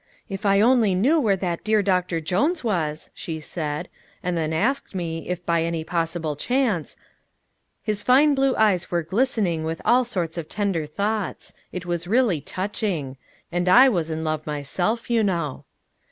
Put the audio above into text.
'If I only knew where that dear Doctor Jones was,' she said, and then asked me, if by any possible chance " His fine blue eyes were glistening with all sorts of tender thoughts. It was really touching. And I was in love myself, you know.